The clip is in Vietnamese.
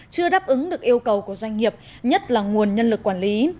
chưa đáp ứng được yêu cầu của doanh nghiệp nhất là nguồn nhân lực quản lý